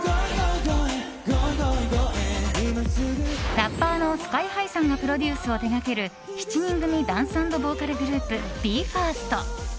ラッパーのＳＫＹ‐ＨＩさんがプロデュースを手掛ける７人組ダンス＆ボーカルグループＢＥ：ＦＩＲＳＴ。